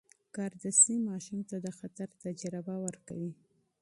کاردستي ماشوم ته د خطر تجربه ورکوي.